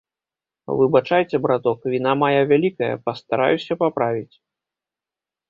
Выбачайце, браток, віна мая вялікая, пастараюся паправіць.